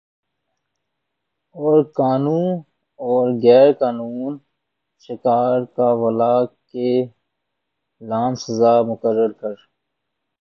اورقانو اور غیر قانون شکار کر والہ کے ل سزا مقرر کر